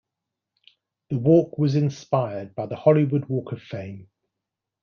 The walk was inspired by the Hollywood Walk of Fame.